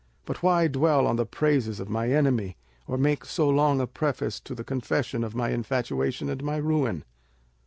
But why dwell on the praises of my enemy, or make so long a preface to the confession of my infatuation and my ruin?